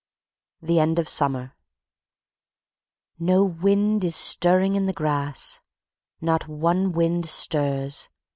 THE END OF SUMMER "No wind is stirring in the grass; not one wind stirs...